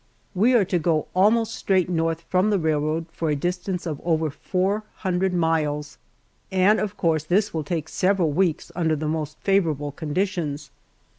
We are to go almost straight north from the railroad for a distance of over four hundred miles, and of course this will take several weeks under the most favorable conditions.